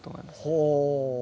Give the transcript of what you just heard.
ほう！